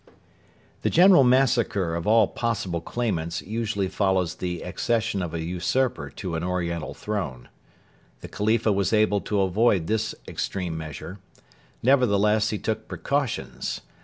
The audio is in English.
The general massacre of all possible claimants usually follows the accession of a usurper to an Oriental throne. The Khalifa was able to avoid this extreme measure. Nevertheless he took precautions.